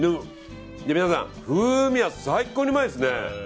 でも皆さん風味は最高にうまいですね。